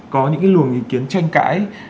có những cái luồng ý kiến tranh cãi